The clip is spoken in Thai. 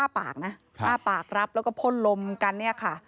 อ้าปากนะอ้าปากรับแล้วก็พ่นลมกัน